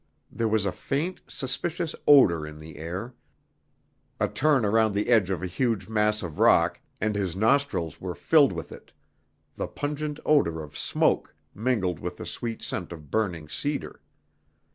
There was a faint, suspicious odor in the air; a turn around the end of a huge mass of rock and his nostrils were filled with it, the pungent odor of smoke mingled with the sweet scent of burning cedar!